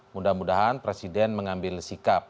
mudah mudahan presiden mengambil sikap